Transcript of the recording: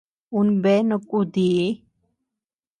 Un bea no kútii.